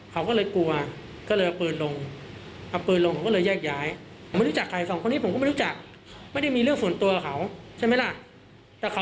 เขาก็เลยกลัวก็เลยเอาปืนลง